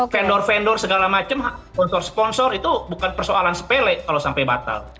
vendor vendor segala macam sponsor sponsor itu bukan persoalan sepele kalau sampai batal